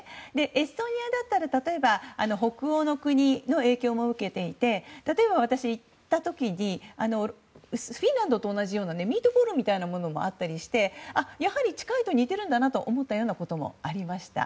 エストニアだったら例えば北欧の国の影響も受けていて例えば私が行った時にフィンランドと同じようなミートボールみたいなものもあったりしてやはり近いと似てるんだなと思ったようなこともありました。